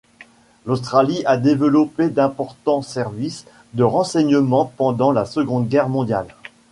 L'Australie a développé d'importants services de renseignement pendant la Seconde Guerre mondiale.